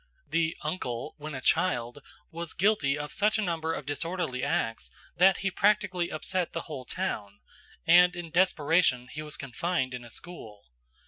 The "uncle" when a child was guilty of such a number of disorderly acts that he practically upset the whole town, and in desperation he was confined in a school.